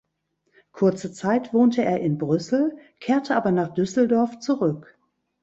Kurze Zeit wohnte er in Brüssel, kehrte aber nach Düsseldorf zurück.